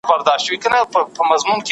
په رګو یې د حرص اور وي لګېدلی